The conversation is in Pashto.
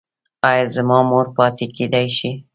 ایا زما مور پاتې کیدی شي؟